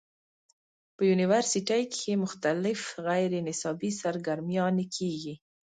پۀ يونيورسټۍ کښې مختلف غېر نصابي سرګرميانې کيږي